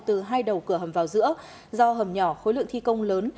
từ hai đầu cửa hầm vào giữa do hầm nhỏ khối lượng thi công lớn